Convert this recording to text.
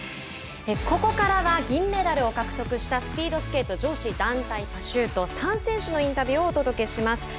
ここからは銀メダルを獲得したスピードスケート女子団体パシュート３選手のインタビューをお届けします。